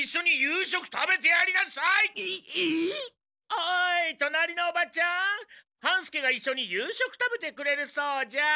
おい隣のおばちゃん半助がいっしょに夕食食べてくれるそうじゃ。